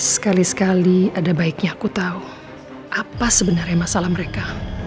sekali sekali ada baiknya aku tahu apa sebenarnya masalah mereka